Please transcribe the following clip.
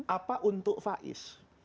apa untuk faiz